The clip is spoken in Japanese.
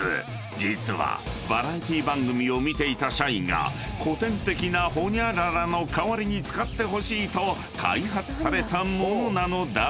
［実はバラエティー番組を見ていた社員が古典的なホニャララの代わりに使ってほしいと開発されたものなのだが］